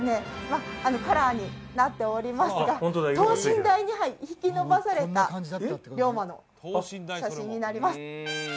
まあカラーになっておりますが等身大に引き伸ばされた龍馬の写真になります